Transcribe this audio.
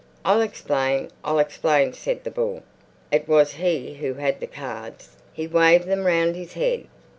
"I'll explain, I'll explain," said the bull. It was he who had the cards. He waved them round his head.